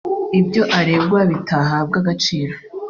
ibyo aregwa bitahabwa agaciro